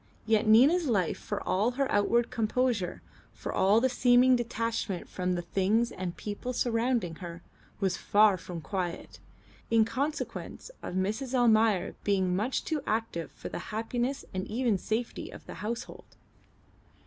Yet Nina's life for all her outward composure, for all the seeming detachment from the things and people surrounding her, was far from quiet, in consequence of Mrs. Almayer being much too active for the happiness and even safety of the household.